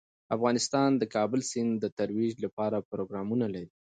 افغانستان د کابل سیند د ترویج لپاره پروګرامونه لري.